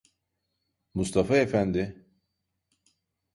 Mustafa Efendi!